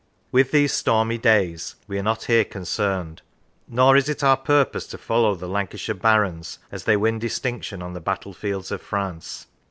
With these stormy days we are not here concerned. Nor is it our purpose to follow the Lancashire Barons as they win distinction on the battlefields of France.